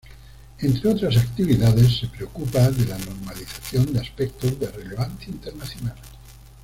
Entre otras actividades se preocupa de la normalización de aspectos de relevancia internacional.